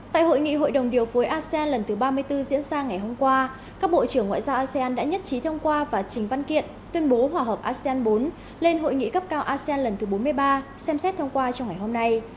tại hội nghị hội đồng điều phối asean lần thứ ba mươi bốn diễn ra ngày hôm qua các bộ trưởng ngoại giao asean đã nhất trí thông qua và trình văn kiện tuyên bố hòa hợp asean bốn lên hội nghị cấp cao asean lần thứ bốn mươi ba xem xét thông qua trong ngày hôm nay